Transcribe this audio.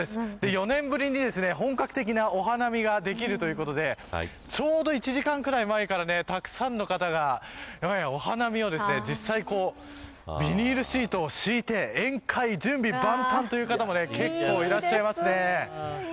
４年ぶりに、本格的なお花見ができるということでちょうど１時間ぐらい前からたくさんの方がお花見を実際にビニールシートを敷いて宴会の準備万端という方もいらっしゃいます。